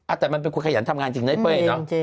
อ่ะแต่มันเป็นคนขยันทำงานจริงนะเป้ยเนอะ